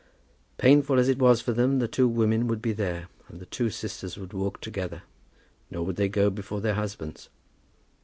Painful as it was for them, the two women would be there, and the two sisters would walk together; nor would they go before their husbands.